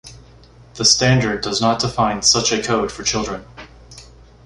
The standard does not define such a code for children.